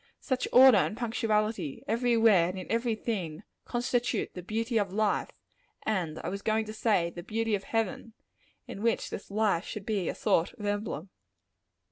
Such order and punctuality, every where and in every thing, constitute the beauty of life; and I was going to say, the beauty of heaven of which this life should be a sort of emblem.